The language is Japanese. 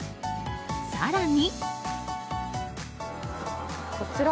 更に。